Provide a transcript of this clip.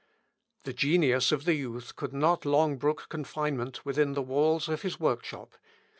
The genius of the youth could not long brook confinement within the walls of his workshop.